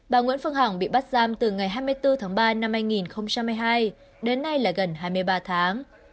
bà nguyễn phương hằng bị bắt giam từ ngày hai mươi bốn tháng ba năm hai nghìn hai mươi hai đến nay là gần hai mươi ba tháng